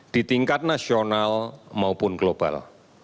di tingkat nasional maupun global